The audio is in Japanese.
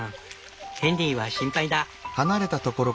ヘンリーは心配だ。